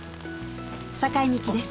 酒井美紀です